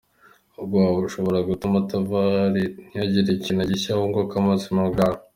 Ubwoba bushobora gutuma utava aho uri, ntihagire ikintu gishya wunguka mu buzima bwawe.